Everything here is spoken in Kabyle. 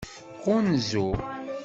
Ɣunzu.